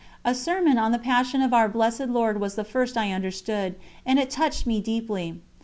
A sermon on the Passion of our Blessed Lord was the first I understood, and it touched me deeply.